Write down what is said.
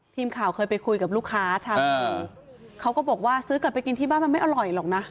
ทีมข่าวเคยไปคุยกับลูกค้าชาวอำเภอเขาก็บอกว่าซื้อกลับไปกินที่บ้านมันไม่อร่อยหรอกนะ